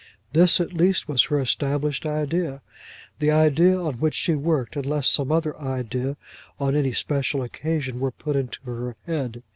This at least was her established idea, the idea on which she worked, unless some other idea on any special occasion were put into her head.